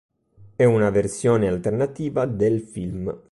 È una versione alternativa del film".